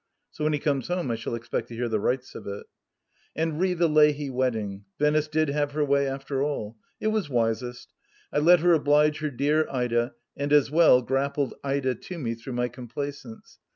So when he comes home I shall expect to hear the rights of it. And re the Leahy wedding — ^Venice did have her way after all. It was wisest. I let her oblige her dear Ida, and, as well, grappled Ida to me through my complaisance.